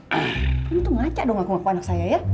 hei kamu tuh ngajak dong aku ngaku anak saya ya